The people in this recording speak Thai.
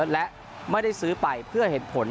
และไม่ได้ซื้อไปเพื่อเห็นผล